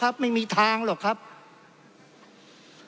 เพราะเรามี๕ชั่วโมงครับท่านนึง